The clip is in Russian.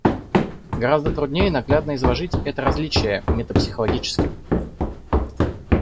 Гораздо труднее наглядно изложить это различие метапсихологически.